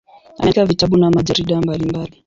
Ameandika vitabu na majarida mbalimbali.